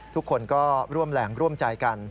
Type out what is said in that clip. ทุกคนก็ร่วมแรงร่วมใจกัน